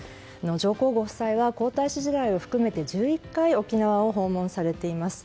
上皇ご夫妻は皇太子時代を含めて１１回、沖縄を訪問されています。